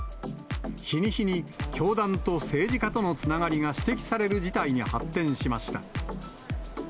日に日に教団と政治家とのつながりが指摘される事態に発展しました。